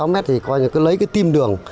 sáu m thì coi như lấy tim đường